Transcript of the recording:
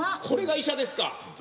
これが医者ですか。